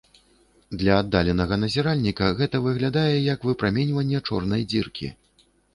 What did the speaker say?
Для аддаленага назіральніка гэта выглядае як выпраменьванне чорнай дзіркі.